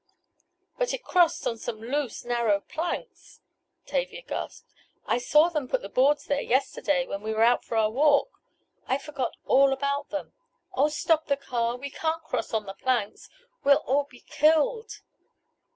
"But it crossed on some loose, narrow planks!" Tavia gasped. "I saw them put the boards there yesterday when we were out for our walk! I forgot all about them! Oh! Stop the car! We can't cross on the planks! We'll all be killed!"